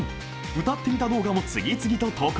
歌ってみた動画も次々と投稿。